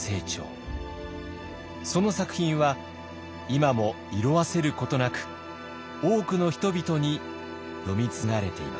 その作品は今も色あせることなく多くの人々に読み継がれています。